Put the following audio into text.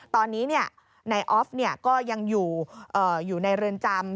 ตอนนี้นายออฟก็ยังอยู่ในเรือนจำ